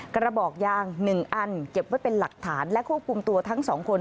กระบอกยาง๑อันเก็บไว้เป็นหลักฐานและควบคุมตัวทั้งสองคน